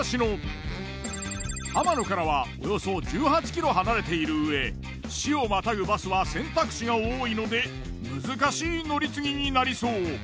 浜野からはおよそ１８ｋｍ離れているうえ市をまたぐバスは選択肢が多いので難しい乗り継ぎになりそう。